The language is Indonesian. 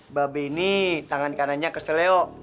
mbak be ini tangan kanannya keseleo